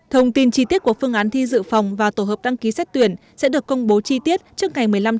thông tin chi tiết của phương án thi dự phòng và tổ hợp đăng ký xét tuyển sẽ được công bố chi tiết trước ngày một mươi năm tháng sáu năm hai nghìn hai mươi